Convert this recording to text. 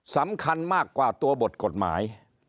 สำคัญมากกว่าตัวบทกฎหมาย